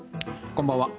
こんばんは。